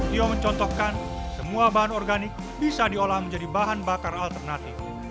tio mencontohkan semua bahan organik bisa diolah menjadi bahan bakar alternatif